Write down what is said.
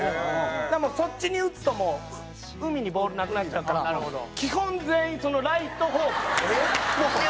そっちに打つともう海にボールなくなっちゃうから基本全員ライト方向。